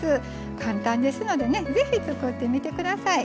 簡単ですのでぜひ作ってみてください。